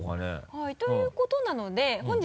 はいということなので本日